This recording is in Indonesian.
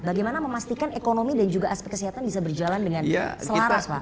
bagaimana memastikan ekonomi dan juga aspek kesehatan bisa berjalan dengan selaras pak